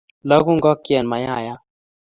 Lagu ngokchet mayayat